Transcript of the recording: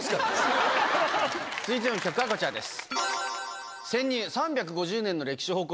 続いての企画はこちらです。